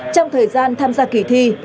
trong thời gian tham gia kỷ thi